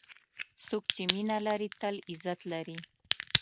څوک چې مینه لري، تل عزت لري.